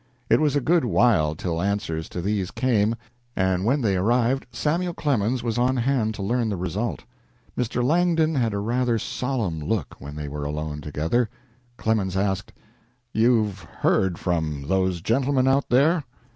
It was a good while till answers to these came, and when they arrived Samuel Clemens was on hand to learn the result. Mr. Langdon had a rather solemn look when they were alone together. Clemens asked, "You've heard from those gentlemen out there?"